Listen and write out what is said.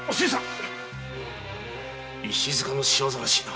石塚の仕業らしいな。